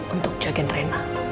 untuk jaga rena